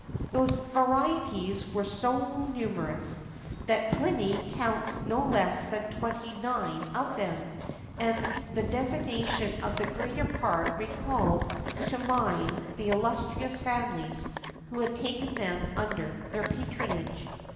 [XIII 56] Those varieties were so numerous, that Pliny counts no less than twenty nine of them,[XIII 57] and the designation of the greater part recalled to mind the illustrious families who had taken them under their patronage.